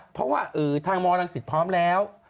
เพราะว่าทางมรังสิตพร้อมแล้ว